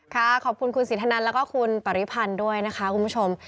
ขอบคุณคุณสินทนันแล้วก็คุณปริพันธ์ด้วยนะคะคุณผู้ชม